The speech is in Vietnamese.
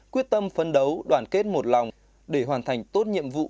quyết tâm phấn đấu đoàn kết một lòng để hoàn thành tốt nhiệm vụ